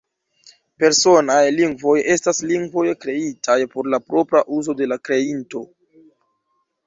Personaj lingvoj estas lingvoj kreitaj por la propra uzo de la kreinto.